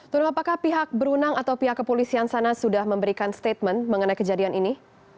tuno apakah pihak berunang atau pihak kepolisian sana sudah memberikan statement mengenai kejadian ini